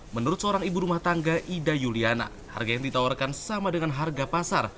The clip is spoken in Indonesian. menurut seorang ibu rumah tangga ida yuliana harga yang ditawarkan sama dengan harga pasar